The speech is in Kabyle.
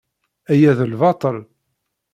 Aya d lbaṭel.